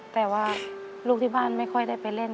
แต่ว่าลูกที่บ้านไม่ค่อยได้ไปเล่น